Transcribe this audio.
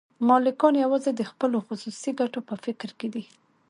مالکان یوازې د خپلو خصوصي ګټو په فکر کې دي